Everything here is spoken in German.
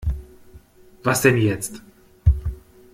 Was denn jetzt?